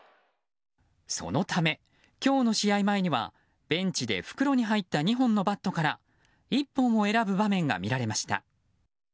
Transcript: そのため、今日の試合前にはベンチで袋に入った２本のバットから１本を選ぶ場面が見られました。